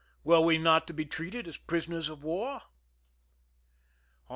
Were we not to be treated as prisoners of war?